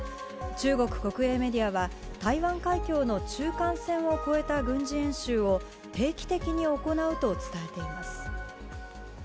中国国営メディアは、台湾海峡の中間線を越えた軍事演習を、定期的に行うと伝えています。